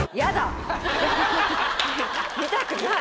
見たくない！